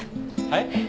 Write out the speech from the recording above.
はい？